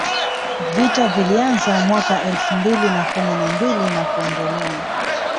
Vita vilianza mwaka elfu mbili na kumi na mbili na kuendelea